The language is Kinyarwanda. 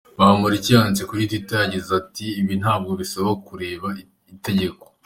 Bamporiki yanditse kuri Twitter Yagize ati “Ibi ntabwo bisaba kureba itegeko.